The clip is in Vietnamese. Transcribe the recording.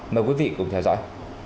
mời quý vị cùng theo dõi